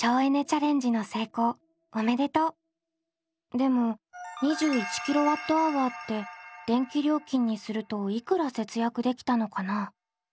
でも２１ｋＷｈって電気料金にするといくら節約できたのかな？